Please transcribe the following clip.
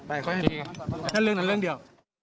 ไปค่อยทั้งเรื่องเดียว